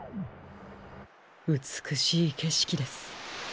うつくしいけしきです。